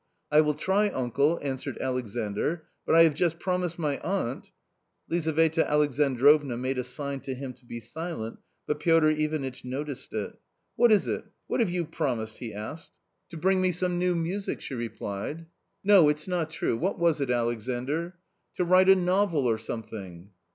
I will try, uncle," answered Alexandr, " but I have just promised my aunt " Lizaveta Alexandrovna made a sign to him to be silent, but Piotr Ivanitch noticed it. " What is it ? what have you promised ?" he asked. 158 A COMMON STORY " To bring me some new music," she replied. " No, it's not true ; what was it, Alexandr ?"" To write a novel or something."